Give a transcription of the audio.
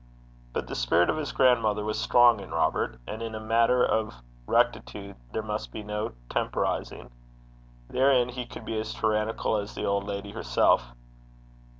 But the spirit of his grandmother was strong in Robert, and in a matter of rectitude there must be no temporizing. Therein he could be as tyrannical as the old lady herself.